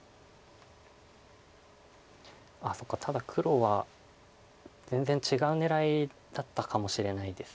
そっかただ黒は全然違う狙いだったかもしれないです